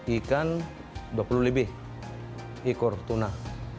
ikan dua puluh lebih ikor tunak